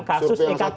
kasus iktp menang